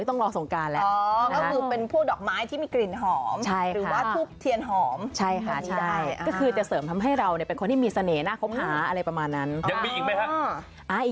ต้องไปช่วยยังไง